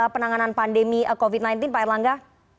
penanganan pandemi covid sembilan belas pak erlangga